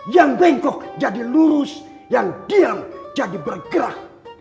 yang bengkok jadi lurus yang diam jadi bergerak